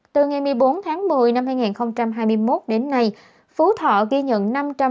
từ ngày một mươi bốn tháng một mươi năm hai nghìn hai mươi một đến nay phú thọ ghi nhận